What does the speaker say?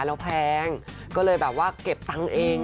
แพงก็เลยแบบว่าเก็บตังค์เอง